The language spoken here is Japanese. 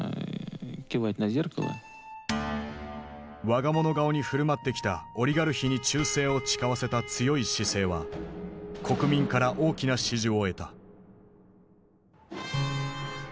我が物顔に振る舞ってきたオリガルヒに忠誠を誓わせた強い姿勢は国民から大きな支持を得た。